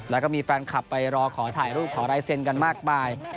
แล้วก็มีแฟนคลับไปรอขอถ่ายรูปขอลายเซ็นต์กันมากมาย